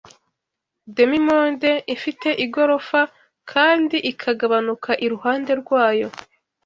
demi-monde ifite igorofa kandi ikagabanuka iruhande rwayo